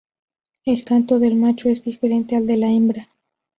El canto del macho es diferente al de la hembra.